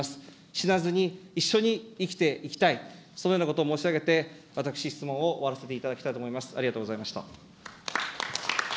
死なずに、一緒に生きていきたい、そのようなことを申し上げて、私、質問を終わらせていただきたいと思います。